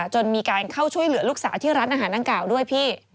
จนมีการเข้าช่วยเหลือลูกสาวที่ร้านอาหารดังกล่าวด้วยพี่